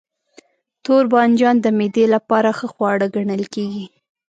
توربانجان د معدې لپاره ښه خواړه ګڼل کېږي.